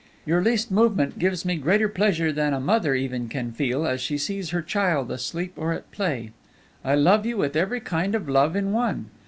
Your least movement gives me greater pleasure than a mother even can feel as she sees her child asleep or at play. I love you with every kind of love in one.